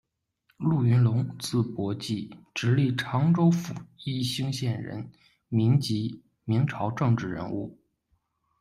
路云龙，字伯际，直隶常州府宜兴县人，民籍，明朝政治人物。